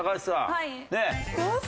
はい。